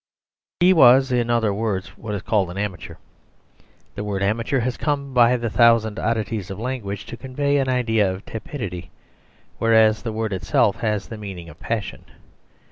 He was, in other words, what is called an amateur. The word amateur has come by the thousand oddities of language to convey an idea of tepidity; whereas the word itself has the meaning of passion.